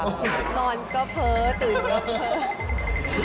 นอนก็เพ้อตื่นก็เพ้อ